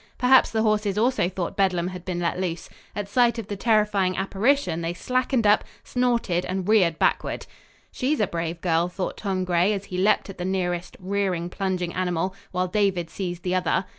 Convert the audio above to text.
Perhaps the horses also thought Bedlam had been let loose. At sight of the terrifying apparition, they slackened up, snorted and reared backward. "She is a brave girl," thought Tom Gray, as he leaped at the nearest rearing, plunging animal, while David seized the other.